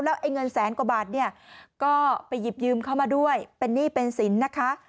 ไอ้เงินแสนกว่าบาทเนี่ยก็ไปหยิบยืมเข้ามาด้วยเป็นหนี้เป็นสินนะคะ